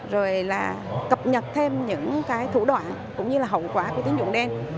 rồi là cập nhật thêm những cái thủ đoạn cũng như là hậu quả của tín dụng đen